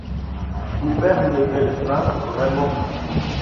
Pour faire une belle fin, vraiment !